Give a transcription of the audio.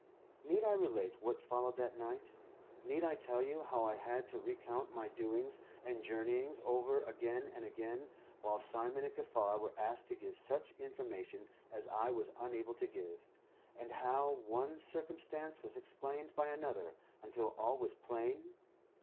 Need I relate what followed that night? Need I tell how I had to recount my doings and journeyings over again and again, while Simon and Kaffar were asked to give such information as I was unable to give, and how one circumstance was explained by another until all was plain?